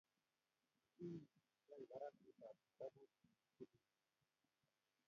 ki toi barakutab kitabut nyu ne tilil